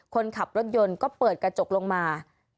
คนขับรถยนต์ก็เปิดกระจกลงมา